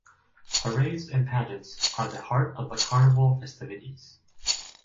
Parades and pageants are the heart of the Carnaval festivities.